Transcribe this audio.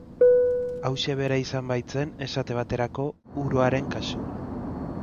Hauxe bera izan baitzen, esate baterako, uroaren kasua.